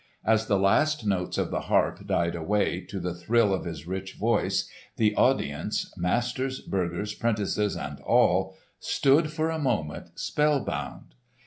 As the last notes of the harp died away to the thrill of his rich voice the audience, masters, burghers, 'prentices and all, stood for a moment spellbound.